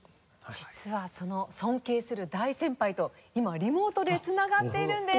実はその尊敬する大先輩と今リモートでつながっているんです。